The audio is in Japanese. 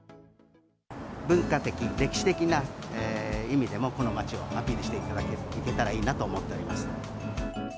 文化的、歴史的な意味でも、この街をアピールしていけたらいいなと思っております。